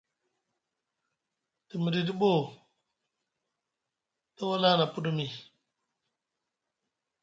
Te miɗiɗi boo tawala na puɗumi.